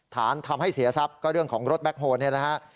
ฐานทำให้เสียทรัพย์ก็เรื่องของรถแคคโฮลเนี่ยนะฮะ